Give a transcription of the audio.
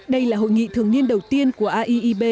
đây là hội nghị thường niên đầu tiên của aib